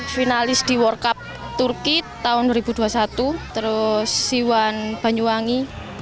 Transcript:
finalis di world cup turki tahun dua ribu dua puluh satu terus siwan banyuwangi